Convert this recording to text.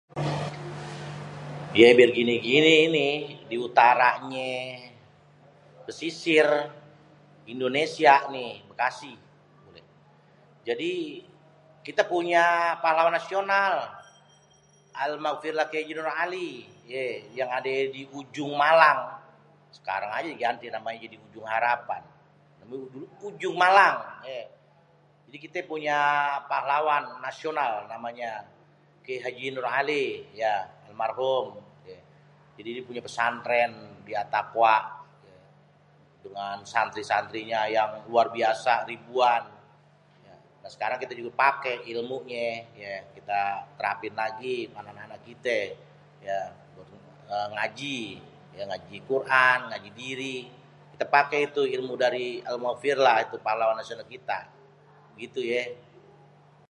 Ya biar gini-gini ini di utaranyé, pesisir, indonesia ni Bekasi, jadi kité punya pahlawan nasional almagfirllah Kyai Hj.Noer Alie [ye] yang adé di ujung Malang. Sekarang diganti namenyé ujung harapan. Kalo dulu ujung Malang [ye] dikite punya pahlawan nasional namenyé Kyai Hj.Noer Alie [ya] almarhum tuh yé, jadi punya pesantren di Attaqwa yé, dengan santri-santrinye yang luar biasa ribuan. Ya sampe sekarang kita pake ilmunyé yé kita terapin lagi same anak-anak kite, ya ngaji, ya ngaji qur'an, ngaji diring, kité pake itu ilmunyé dari almarhum wamagfirlahu Kyai Hj.Noer Alie, itu pahlawan nasional kita begitu yé.